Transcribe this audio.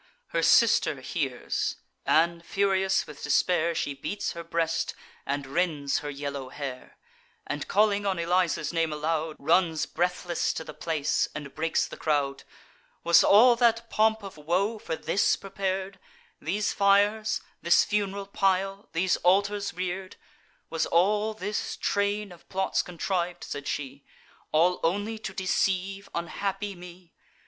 Her sister hears; and, furious with despair, She beats her breast, and rends her yellow hair, And, calling on Eliza's name aloud, Runs breathless to the place, and breaks the crowd. "Was all that pomp of woe for this prepar'd; These fires, this fun'ral pile, these altars rear'd? Was all this train of plots contriv'd," said she, "All only to deceive unhappy me?